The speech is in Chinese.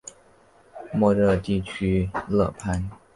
莫热地区勒潘。